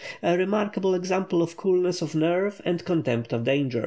a remarkable example of coolness of nerve and contempt of danger.